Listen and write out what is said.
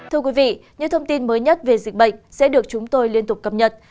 thưa quý vị những thông tin mới nhất về dịch bệnh sẽ được chúng tôi liên tục cập nhật